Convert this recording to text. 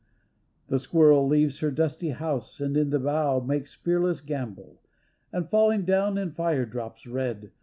The squirrel leaves her dusty house And in the boughs makes fearless gambol, And, falling down in fire drops, red.